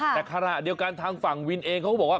แต่ขณะเดียวกันทางฝั่งวินเองเขาก็บอกว่า